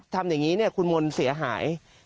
ทำอย่างนี้คุณมนต์เสียหาย